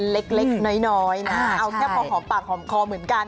เล็กน้อยนะเอาแค่พอหอมปากหอมคอเหมือนกัน